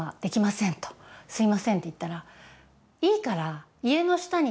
「すいません」って言ったら。